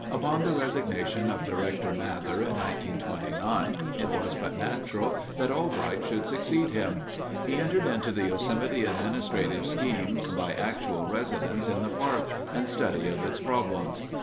Upon the resignation of Director Mather in 1929, it was but natural that Albright should succeed him. He entered into the Yosemite administrative scheme by actual residence in the park and study of its problems.